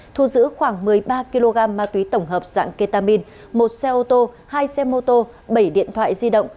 thu giữ khoảng một mươi ba kg ma túy tổng hợp dạng ketamin một xe ô tô hai xe mô tô bảy điện thoại di động